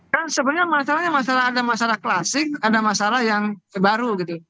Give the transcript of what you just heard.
kan sebenarnya masalahnya ada masalah klasik ada masalah yang baru gitu